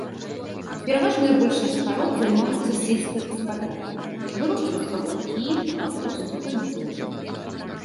Пераважная большасць жыхароў займаюцца сельскай гаспадаркай, вырошчваюць агуркі, капусту, памідоры.